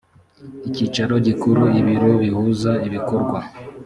icyicaro gikuru ibiro bihuza ibikorwa